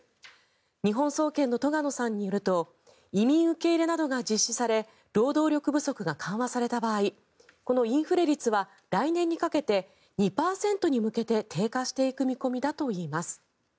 日本総研の栂野さんによると移民受け入れなどが実施され労働力不足が緩和された場合このインフレ率は来年にかけて２％に向けて低下していく見込みだといいます。